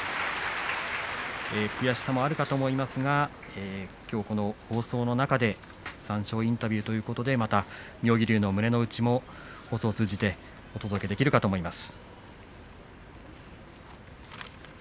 悔しさもあるかと思いますけどもこの放送の中で三賞インタビューということでまた妙義龍の胸の内も放送を通じてお届けできるかと思います。